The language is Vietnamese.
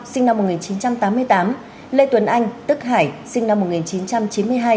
sinh năm một nghìn chín trăm tám mươi tám lê tuấn anh tức hải sinh năm một nghìn chín trăm chín mươi hai